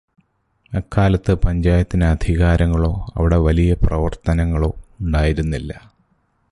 അക്കാലത്ത് പഞ്ചായത്തിനു അധികാരങ്ങളോ അവിടെ വലിയ പ്രവർത്തതനങ്ങളോ ഉണ്ടായിരുന്നില്ല.